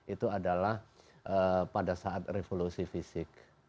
itu adalah pada saat revolusi fisik